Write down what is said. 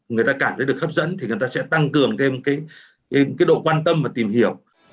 người ta cảm thấy được hấp dẫn thì người ta sẽ tăng cường thêm cái độ quan tâm và tìm hiểu